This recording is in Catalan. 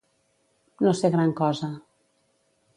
No ser gran cosa.